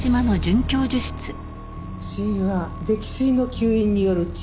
死因は溺水の吸引による窒息。